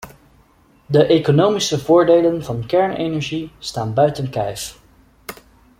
De economische voordelen van kernenergie staan buiten kijf.